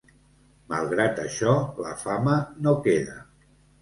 Malgrat això la fama no queda.